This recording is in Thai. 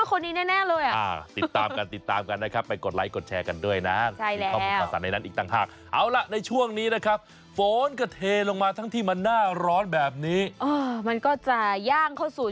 คิดได้ยังไงก็ไม่รู้เนอะเออเอาแล้วนอกจากนี้นี่ผมเห็นนะมีน้องใบตองด้วยดูดิ